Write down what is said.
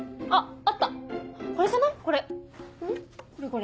あっ！